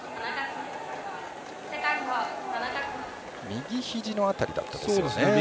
右ひじの辺りだったでしょうか。